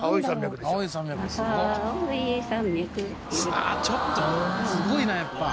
ああちょっとすごいなやっぱ。